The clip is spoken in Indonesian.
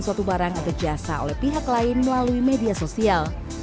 dan suatu barang atau jasa oleh pihak lain melalui media sosial